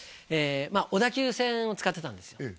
小田急線を使ってたんですよ